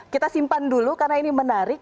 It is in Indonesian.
kita simpan dulu karena ini menarik